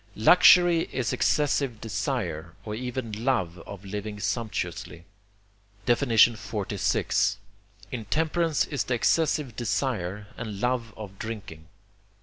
Luxury is excessive desire, or even love of living sumptuously. XLVI. Intemperance is the excessive desire and love of drinking.